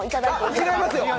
違いますよ！